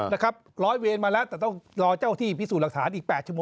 ร้อยเวรมาแล้วแต่ต้องรอเจ้าที่พิสูจน์หลักฐานอีก๘ชัวโม